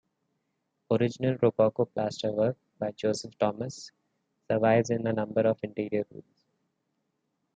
Original rococo plasterwork, by Joseph Thomas, survives in a number of interior rooms.